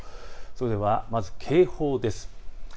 それではまず警報です。